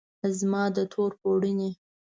زما د تور پوړنې